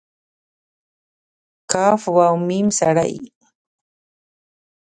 ک و م سړی؟